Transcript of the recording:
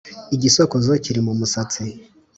igisokozo kiri mu musatsi